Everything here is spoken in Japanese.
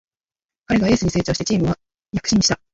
彼がエースに成長してチームは躍進した